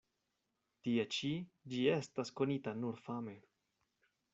Tie ĉi ĝi estas konita nur fame.